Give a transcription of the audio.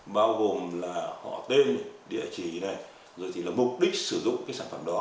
bao gồm là họ tên địa chỉ này rồi thì là mục đích sử dụng cái sản phẩm đó